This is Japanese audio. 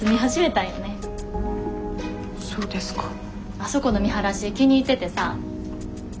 あそこの見晴らし気に入っててさ。